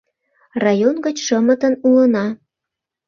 — Район гыч шымытын улына.